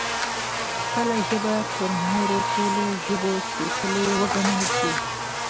خپله ژبه تر نورو ټولو ژبو سپېڅلې وګڼل شي